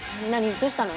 どうしたの？